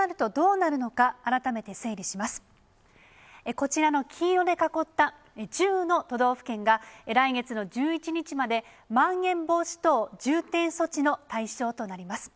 こちらの黄色で囲った１０の都道府県が、来月の１１日まで、まん延防止等重点措置の対象となります。